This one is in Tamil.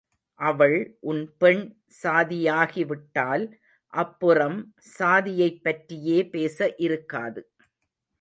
அவள் உன் பெண் சாதியாகிவிட்டால் அப்புறம் சாதியைப் பற்றியே பேச இருக்காது.